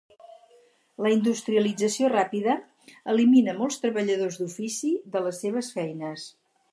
La industrialització ràpida eliminà molts treballadors d'ofici de les seves feines.